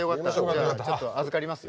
ちょっと預かりますよ。